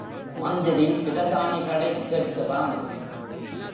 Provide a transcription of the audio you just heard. மந்திரி பிரதானிகளைக் கேட்கிறான்.